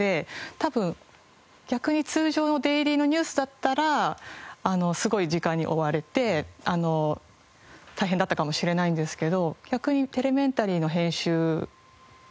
多分逆に通常のデイリーのニュースだったらすごい時間に追われて大変だったかもしれないんですけど逆に『テレメンタリー』の編集があったので。